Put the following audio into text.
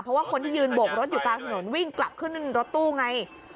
เพราะว่าคนที่ยืนโบกรถอยู่กลางถนนวิ่งกลับขึ้นรถตู้ไง